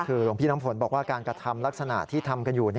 คือหลวงพี่น้ำฝนบอกว่าการกระทำลักษณะที่ทำกันอยู่